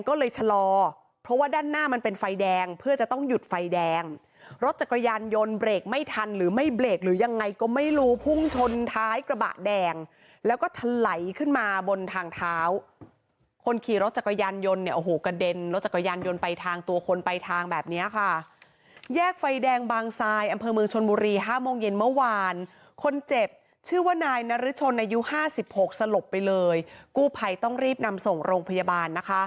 ก็เลยชะลอเพราะว่าด้านหน้ามันเป็นไฟแดงเพื่อจะต้องหยุดไฟแดงรถจักรยานยนต์เบรกไม่ทันหรือไม่เบรกหรือยังไงก็ไม่รู้พุ่งชนท้ายกระบะแดงแล้วก็ถล่ายขึ้นมาบนทางเท้าคนขี่รถจักรยานยนต์เนี่ยโอ้โหกระเด็นรถจักรยานยนต์ไปทางตัวคนไปทางแบบเนี้ยค่ะแยกไฟแดงบางทรายอำเภอเมืองชนบุรีห้าม